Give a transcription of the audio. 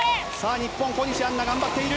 日本、小西杏奈、頑張っている。